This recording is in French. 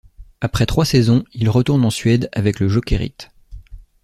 Après trois saisons, il retourne en Suède avec le Jokerit.